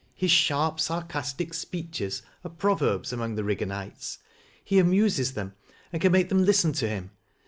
His sharp sarcastic speeches are pioverbs among the Eigganites; he amuses them and can make them listen to him.